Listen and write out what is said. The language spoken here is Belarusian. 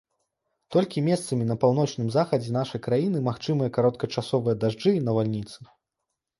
Толькі месцамі на паўночным захадзе нашай краіны магчымыя кароткачасовыя дажджы і навальніцы.